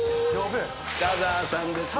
北澤さんですよ。